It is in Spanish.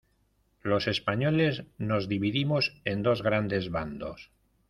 los españoles nos dividimos en dos grandes bandos: